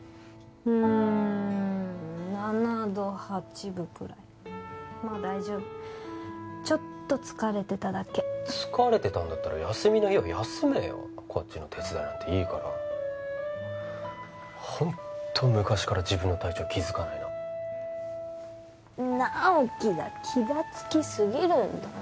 うん７度８分くらいまあ大丈夫ちょっと疲れてただけ疲れてたんだったら休みの日は休めよこっちの手伝いなんていいからホント昔から自分の体調気づかないな直木が気がつきすぎるんだよ